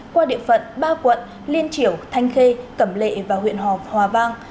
qua địa phận ba quận liên triểu thanh khê cẩm lệ và huyện hòa vang